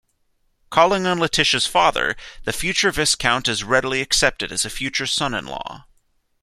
Calling on Letitia's father, the future Viscount is readily accepted as a future son-in-law.